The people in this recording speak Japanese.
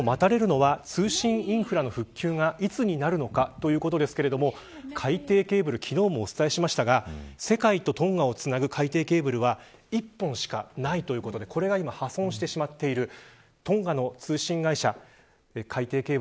そして、何といっても待たれるのは、通信インフラの復旧がいつになるのかということですが海底ケーブル昨日もお伝えしましたが世界とトンガをつなぐ海底ケーブルは１本しかないということでこれが今破損してしまっている。